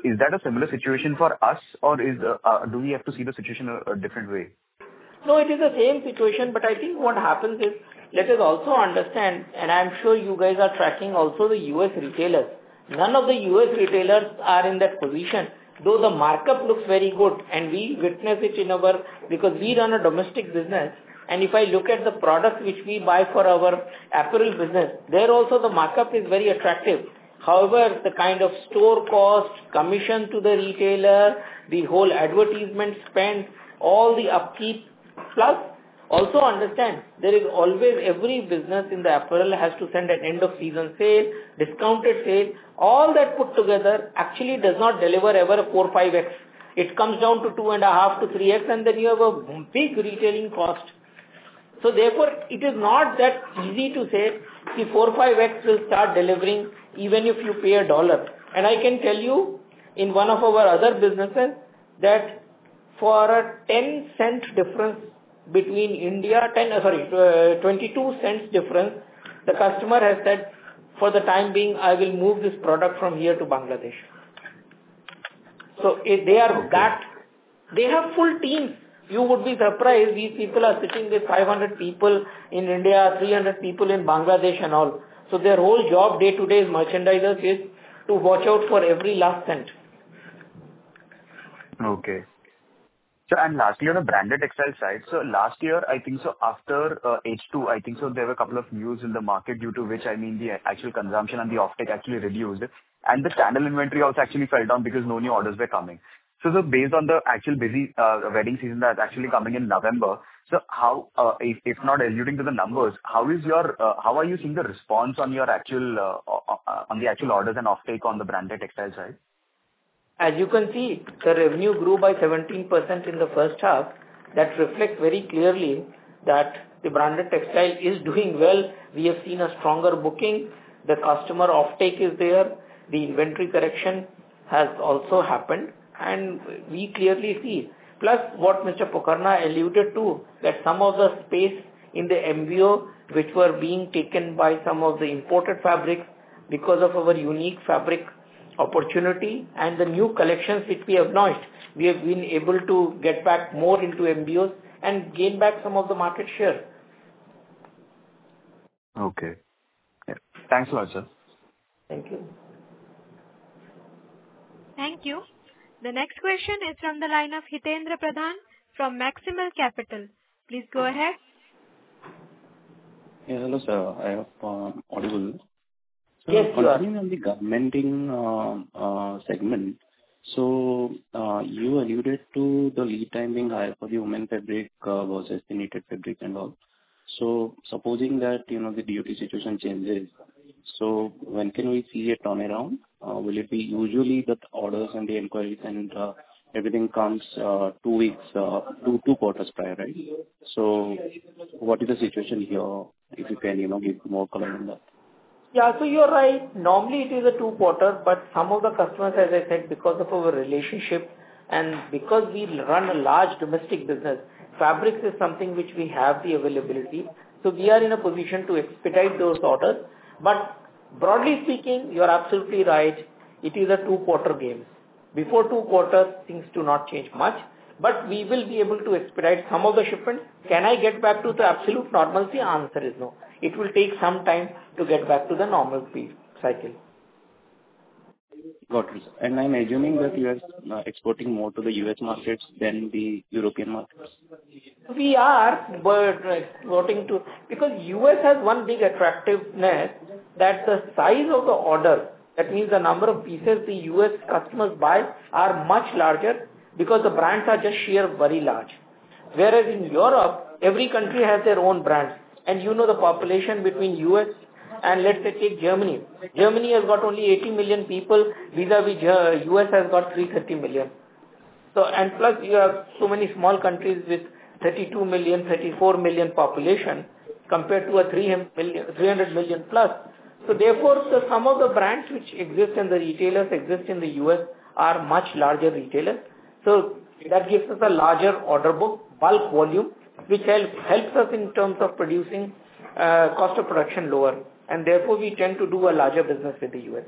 Is that a similar situation for us or do we have to see the situation a different way? No, it is the same situation. I think what happens is, let us also understand, and I am sure you guys are tracking also the U.S. retailers. None of the U.S. retailers are in that position, though the markup looks very good, and we witness it in our, because we run a domestic business, and if I look at the product which we buy for our apparel business, there also the markup is very attractive. However, the kind of store cost, commission to the retailer, the whole advertisement spend, all the upkeep. Plus, also understand there is always, every business in apparel has to send an end of season sale, discounted sale. All that put together actually does not deliver ever 4x or 5x. It comes down to 2.5x to 3x, and then you have a big retailing cost. Therefore, it is not that easy to say the 4x or 5x will start delivering even if you pay a dollar. I can tell you in one of our other businesses that for a $0.10 difference between India, sorry, $0.22 difference, the customer has said for the time being I will move this product from here to Bangladesh. If they are that, they have full teams, you would be surprised. These people are sitting with 500 people in India, 300 people in Bangladesh and all. Their whole job day to day as merchandisers is to watch out for every last cent. Okay, so lastly on a branded textile side, so last year, I think so, after H2, I think so, there were a couple of news in the market due to which, I mean the actual consumption and the offtake actually reduced and the channel inventory also actually fell down because no new orders were coming. Based on the actual busy wedding season that's actually coming in November. If not alluding to the numbers, how are you seeing the response on your actual, on the actual orders and off take on the branded textile side? As you can see, the revenue grew by 17% in the first half. That reflects very clearly that the branded textile is doing well. We have seen a stronger booking. The customer offtake is there. The inventory correction has also happened and we clearly see plus what Mr. Pokharna alluded to, that some of the space in the MBO which were being taken by some of the imported fabrics. Because of our unique fabric opportunity and the new collections which we have launched, we have been able to get back more into MBO and gain back some of the market share. Okay, thanks a lot sir. Thank you. Thank you. The next question is from the line of Hitaindra Pradhan from Maximal Capital. Please go ahead. Hello sir, I hope I am audible. Yes. So, are you in the govermenting segment. You alluded to the lead time being higher for the women fabric versus the knitted fabric and all. Supposing that, you know, the duty situation changes, when can we see a turnaround? Will it be usually that orders and the inquiries and everything comes two weeks to two quarters prior? Right. What is the situation here? If you can, you know, give more color on that. Yeah, so you're right. Normally it is a two quarter, but some of the customers, as I said because of our relationship and because we run a large domestic business, fabrics is something which we have the availability. We are in a position to expedite those orders. Broadly speaking you are absolutely right. It is a two quarter game. Before two quarters things do not change much, we will be able to expedite some of the shipments. Can I get back to the. The absolute normalcy answer is no. It will take some time to get back to the normal cycle. I'm assuming that you are exporting more to the U.S. markets than the European markets. We are voting to because U.S. has one big attractiveness that the size of the order, that means the number of pieces the U.S. customers buy are much larger because, because the brands are just sheer, very large. Whereas in Europe every country has their own brands and you know, the population between us and let's say take Germany, Germany has got only 80 million people vis a vis U.S. has got 330 million. Plus you have so many small countries with 32 million, 34 million population compared to a 300+ million. Therefore some of the brands which exist and the retailers exist in the U.S. are much larger retailers. That gives us a larger order book, bulk volume which helps us in terms of producing, cost of production lower. Therefore we tend to do a larger business with the U.S.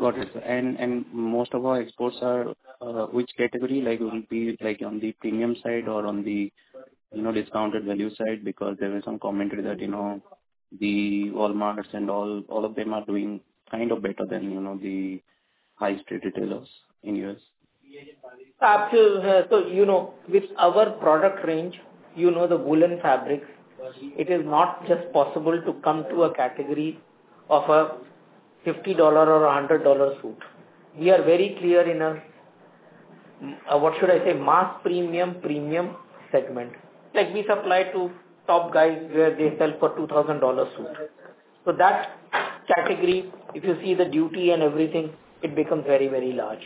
Got it. Most of our exports are which category, like will be like on the premium side or on the, you know, discounted value side? Because there was some commentary that, you know, the Walmart and all, all of them are doing kind of better than, you know, the high street retailers in the U.S. You know, with our product range, you know, the woolen fabrics, it is not just possible to come to a category of a $50 or a $100 suit. We are very clear in a, what should I say, mass premium, premium segment, like we supply to top guys where they sell for a $2,000 suit. That category, if you see the duty and everything, it becomes very, very large.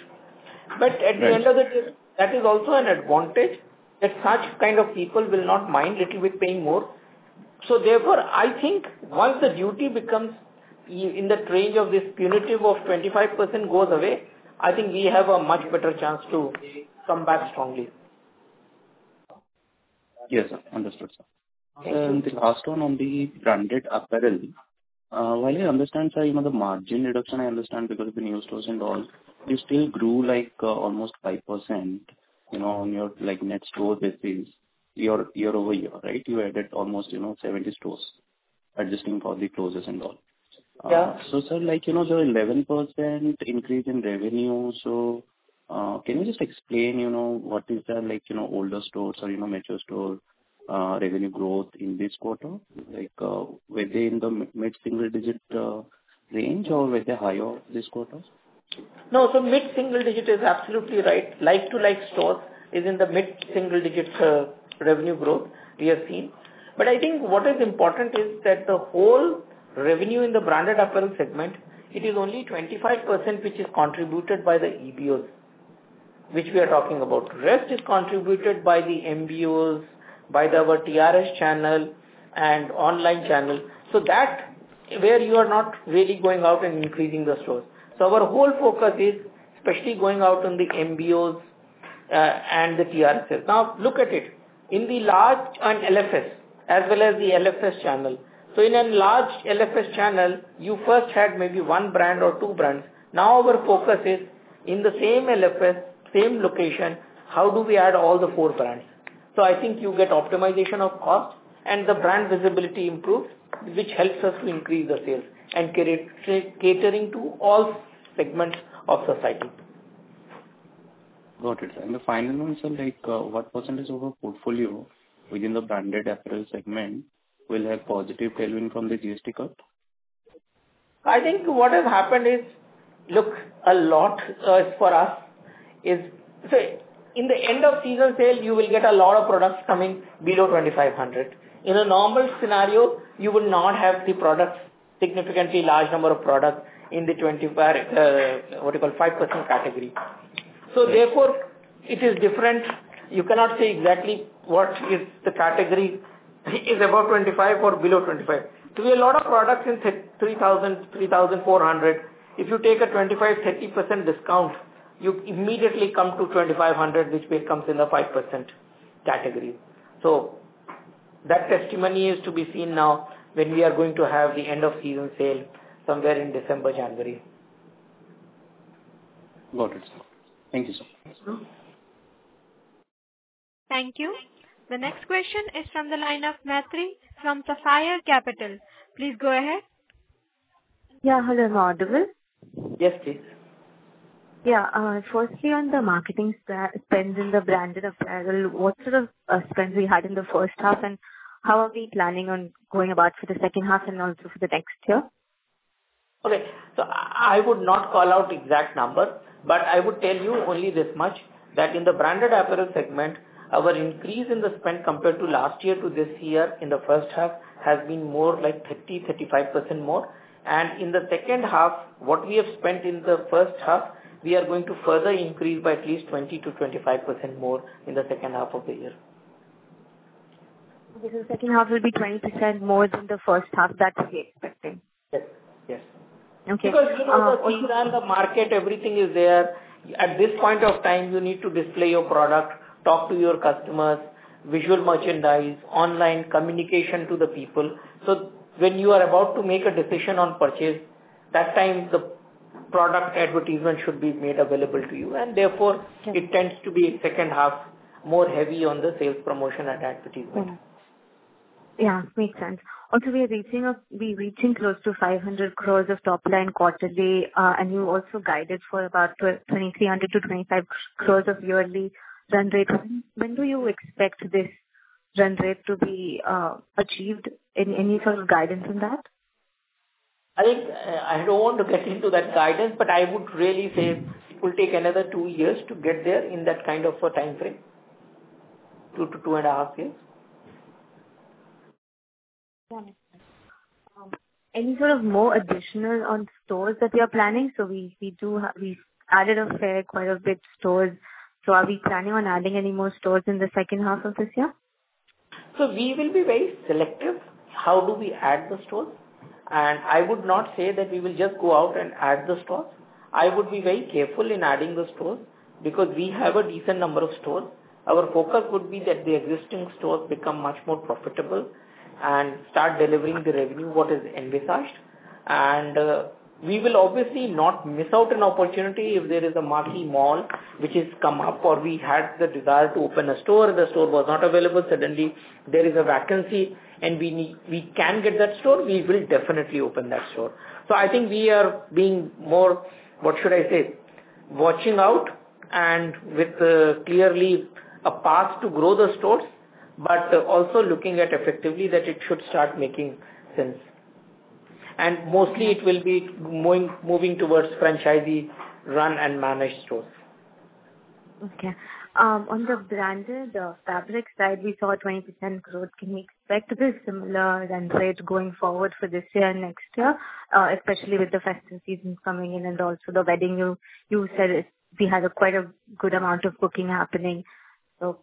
At the end of the day that is also an advantage that such kind of people will not mind a little bit paying more. Therefore I think once the duty becomes in the range of this punitive of 25% goes away, I think we have a much better chance to come back strongly. Yes, understood sir. The last one on the branded apparel, while I understand sir, you know, the margin reduction, I understand because of the new stores and all, you still grew like almost 5%, you know, on your like net store basis your year-over-year. Right. You added almost, you know, 70 stores adjusting for the closes and all. Yeah. Sir, like you know the 11% increase in revenue. Can you just explain, you know, what is the, like, you know, older stores or, you know, mature store revenue growth in this quarter? Like, were they in the mid single digit range or were they higher this quarter? No. So mid-single digit is absolutely right. Like to like store is in the mid-single digit revenue growth we are seeing. I think what is important is that the whole revenue in the branded apparel segment, it is only 25% which is contributed by the EBOs which we are talking about. Rest is contributed by the MBOs, by our TRS channel and online channel. That is where you are not really going out and increasing the stores. Our whole focus is especially going out on the MBOs and the TRSs. Now look at it in the large LFS as well as the LFS channel. In a large LFS channel you first had maybe one brand or two brands. Now our focus is in the same LFS, same location. How do we add all the four brands? I think you get optimization of cost and the brand visibility improves, which helps us to increase the sales and catering to all segments of society. Got it. The final answer, like, what percentage of a portfolio within the branded apparel segment will have positive tailwind from the GST cut? I think what has happened is, look, a lot for us is, so in the end of season sale you will get a lot of products coming below 2,500. In a normal scenario you will not have the products, significantly large number of products, in the 2,500, what you call 5% category. Therefore, it is different. You cannot say exactly what is the category is above 2,500 or below 2,500. There will be a lot of products in 3,000, 3,400. If you take a 25%-30% discount, you immediately come to 2,500, which comes in the 5% category. That testimony is to be seen now when we are going to have the end of season sale somewhere in December, January. Got it, sir. Thank you, sir. Thank you. The next question is from the line of Maitri from Sapphire Capital. Please go ahead. Yeah, hello, I'm audible? Yes, please. Yes. Firstly on the marketing spend in the branded apparel, what sort of spends we had in the first half and how are we planning on going about for the second half and also for the next year? Okay. So I would not call out exact number, but I would tell you only this much that in the branded apparel segment, our increase in the spend compared to last year to this year in the first half has been more like 30%-35% more. In the second half what we have spent in the first half we are going to further increase by a least 20%-25% more in the second half of the year. Second half will be 20% more than the first half that we are expecting. Yes. Okay. Because you know the market, everything is there at this point of time. You need to display your product, talk to your customers, visual merchants, online communication to the people. When you are about to make a decision on purchase that time, the product advertisement should be made available to you. Therefore it tends to be second half more heavy on the sales, promotion and advertisement. Yeah, makes sense. Also we are reaching close to 500 crore of top line quarterly. You also guided for about 2,300 crore-2,500 crore sort of yearly run rate. When do you expect this run rate to be achieved, any sort of guidance on that? I think I don't want to get into that guidance, but I would really say it will take another two years to get there in that kind of a time frame. Two to two and a half years. Any sort of more additional on stores that you're planning? We added quite a bit stores. Are we planning on adding any more stores in the second half of this year? We will be very selective. How do we add the stores? I would not say that we will just go out and add the stores. I would be very careful in adding the stores because we have a decent number of stores. Our focus would be that the existing stores become much more profitable and start delivering the revenue what is envisaged. We will obviously not miss out an opportunity. If there is a marquee mall which has come up or we had the desire to open a store, the store was not available. Suddenly there is a vacancy and we can get that store we will definitely open that store. I think we are being more, what should I say, watching out and with clearly a path to grow the stores but also looking at effectively that it should start making sense. Mostly it will be moving towards franchisee run and manage stores. Okay. On the branded fabric side, we saw 20% growth. Can we expect this similar run rate going forward for this year and next year? Especially with the festive season coming in and also the wedding. You said we had a quite a good amount of booking happening. Yes,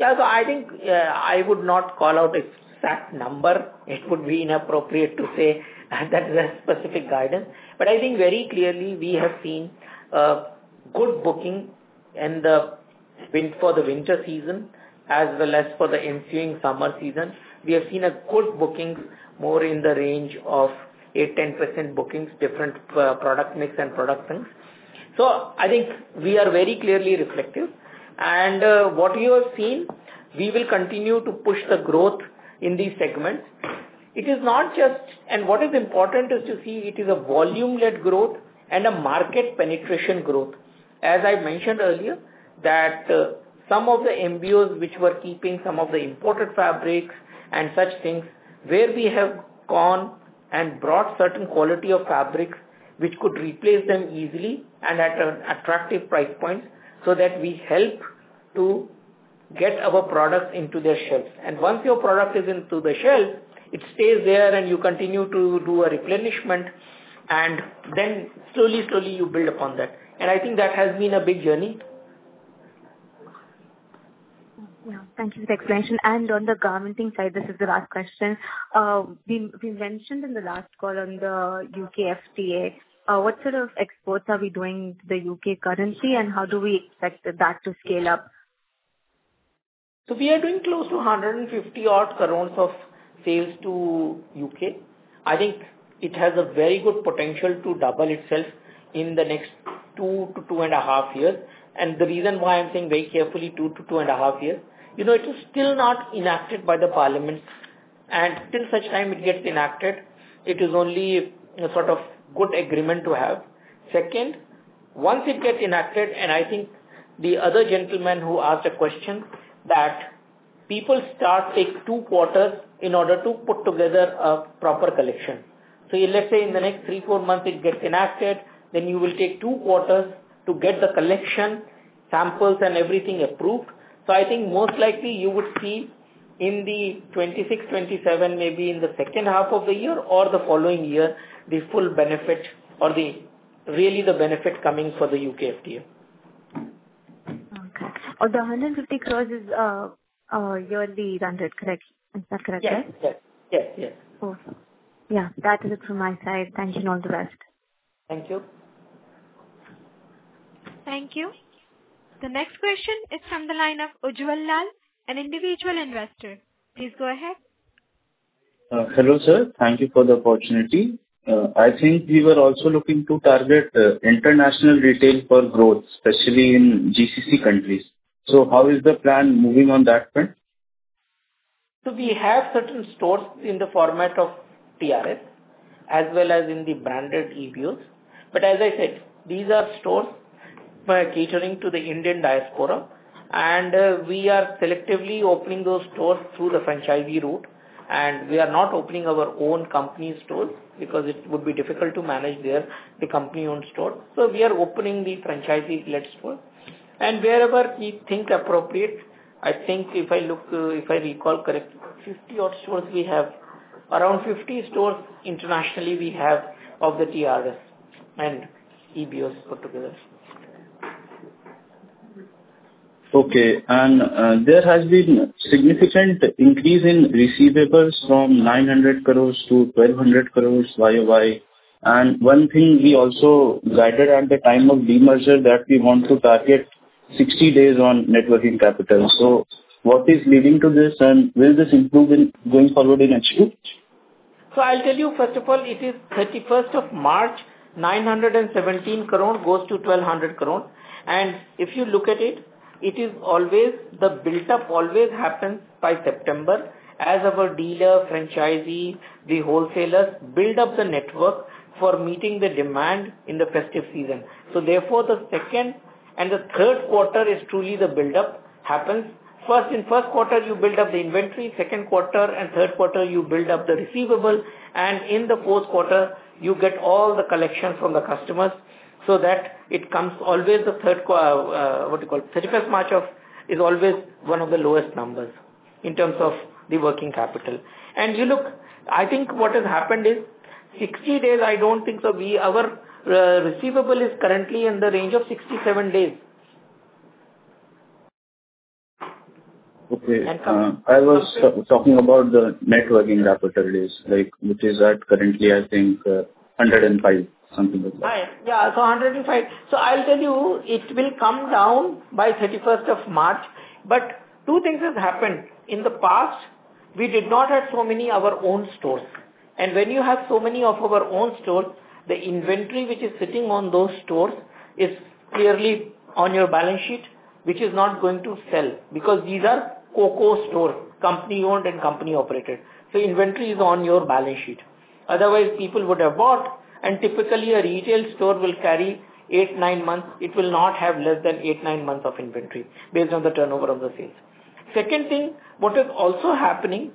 I think I would not call out exact number. It would be inappropriate to say that. Is a specific guidance. I think very clearly we have seen good booking for the winter season. As well as for the ensuing summer season, we have seen good bookings. More in the range of 8%-10% bookings, different product mix and product. I think we are very clearly reflective and what you have seen, we will continue to push the growth in these segments. It is not just. What is important is to see it is a volume led growth and a market penetration growth. As I mentioned earlier that some of the MBOs which were keeping some of the imported fabrics and such things, where? We have gone and brought certain quality of fabrics which could replace them easily at an attractive price point. We help to get our products into their shelves. Once your product is into the shelf, it stays there and you continue to do a replenishment and then slowly, slowly you build upon that. I think that has been a big journey. Thank you for the explanation. On the garmenting side, this is the last question. We mentioned in the last call on the U.K. FTA. What sort of exports are we doing to the U.K. currency and how do we expect that to scale up? We are doing close to 150 crore of sales to the U.K. I think it has a very good potential to double itself in the next two to two and a half years. The reason why I am saying vacation carefully two to two and a half years, you know, it is still not enacted by the Parliament and till such time it gets enacted it is only a sort of good agreement to have. Second, once it gets enacted, and I think the other gentleman who asked a question that people start take two quarters in order to put together a proper collection. Let's say in the next three to four months it gets enacted, then you will take two quarters to get the collection samples and everything approved. I think most likely you would see in 2026-2027, maybe in the second half of the year or the following year, the full benefit or the really the benefit coming for the U.K. FTA. Also, the 150 crore is yearly rounded, correct? Is that correct? Yes, yes. Yeah, that is it from my side. Thank you. All the best. Thank you. Thank you. The next question is from the line of Ujjwal Lal, an individual investor. Please go ahead. Hello sir, thank you for the opportunity. I think we were also looking to target international retail for growth, especially in GCC countries. How is the plan moving on that front? We have certain stores in the format of TRSs as well as in the branded EBOs. As I said, these are stores catering to the Indian diaspora and we are selectively opening those stores through the franchisee route and we are not opening our own company store because it would be difficult to manage their company-owned store. We are opening the franchisee glitz store wherever we think appropriate. I think if I look, if I recall correct, 50-odd stores we have around 50 stores internationally we have of the TRSs and EBOs put together. Okay. There has been significant increase in receivables from 900 crores to 1,200 crores YoY. Why, and one thing we also guided at the time of demerger that we want to target 60 days on net working capital. What is leading to this, and will this improve going forward in H2? I'll tell you first of all it is 31st of March. 917 crore goes to 1,200 crore. If you look at it, it is always the buildup always happens by September as of dealer franchisees the wholesalers build up the network for meeting the demand in the festive season. Therefore the second and the third quarter is truly the buildup happens. First in first quarter you build up the inventory. Second quarter and third quarter you build up the receivable. In the fourth quarter you get all the collection from the customers so that it comes always the third what you call 31st March of is always one of the lowest numbers in terms of the working capital. You look, I think what has happened is 60 days. I do not think so. Our receivable is currently in the range of 67 days. I was talking about the net working capital days which is at currently I think 105. Something like that. Yeah, so 105. I'll tell you it will come down by 31st of March. Two things have happened in the past. We did not have so many of our own stores and when you have so many of our own stores the inventory which is sitting on those stores. Clearly on your balance sheet which is not going to sell because these are COCO stores, Company Owned and Company Operated. Inventory is on your balance sheet. Otherwise people would have bought. Typically a retail store will carry eight, nine months. It will not have less than 89 months of inventory based on the turnover of the sales. Second thing, what is also happening is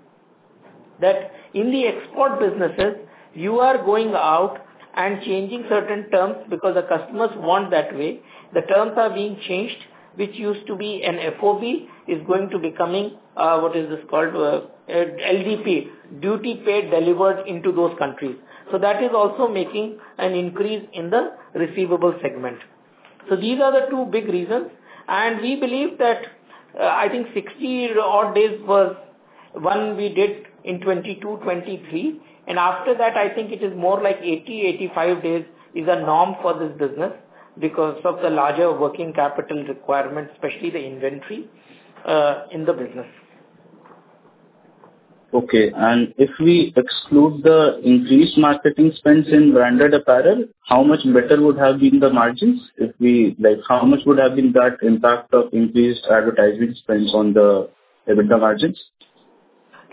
that in the export businesses you are going out and changing certain terms because the customers want that way the terms are being changed, which used to be an FOB is going to becoming, what is this called, LDP duty paid delivered into those countries. That is also making an increase in the receivable segment. These are the two big reasons. We believe that, I think 60-odd days was one we did in 2022-2023 and after that I think it is more like 80-85 days is a norm for this business because of the larger working capital requirement, especially the inventory in the business. Okay, and if we exclude the increased marketing spends in branded apparel, how much better would have been the margins? If we like, how much would have been that impact of increased advertising spends on the EBITDA margins?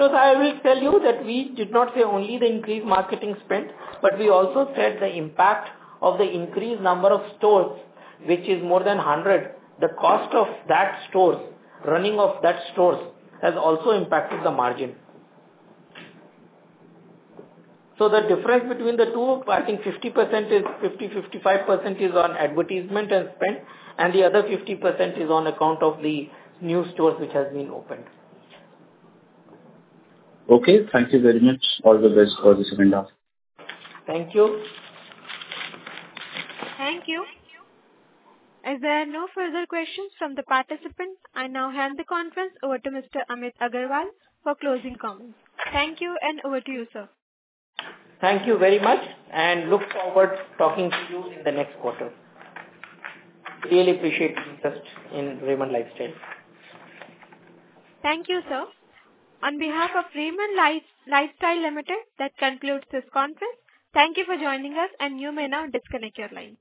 I will tell you that we did not say only the increased marketing spend. We also said the impact of the increased number of stores, which is more than 100. The cost of that stores running of that stores has also impacted the margin. The difference between the two, I think 50% is 50, 55% is on advertisement and spend and the other 50% is on account of the new stores which has been opened. Okay, thank you very much. All the best for the second half. Thank you. Thank you. Is there no further questions from the participants? I now hand the conference over to Mr. Amit Agarwal for closing comments. Thank you. Over to you, sir. Thank you very much and look forward to talking to you in the next quarter. Really appreciate your interest in Raymond Lifestyle. Thank you, sir. On behalf of Raymond Lifestyle Limited, that concludes this conference. Thank you for joining us. You may now disconnect your lines.